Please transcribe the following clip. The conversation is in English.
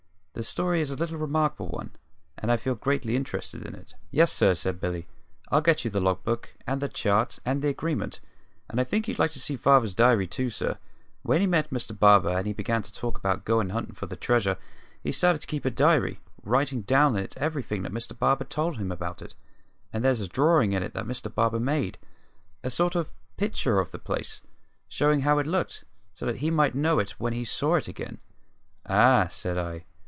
The story is a very remarkable one, and I feel greatly interested in it." "Yes, sir," said Billy. "I'll get you the log book, and the chart, and the agreement. And I think you'd like to see Father's diary too, sir. When he met Mr Barber, and they began to talk about goin' huntin' for the treasure, he started to keep a diary, writin' down in it everything that Mr Barber told him about it; and there's a drawin' in it that Mr Barber made a sort of picture of the place, showing how it looked, so that they might know it when they saw it again." "Ah!" said I.